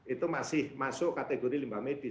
itu masih masuk kategori limbah medis